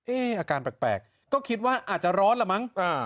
อาการแปลกก็คิดว่าอาจจะร้อนละมั้ง